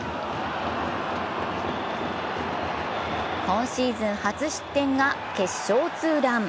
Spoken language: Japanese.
今シーズン初失点が決勝ツーラン。